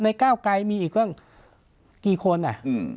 ก้าวไกรมีอีกตั้งกี่คนอ่ะอืม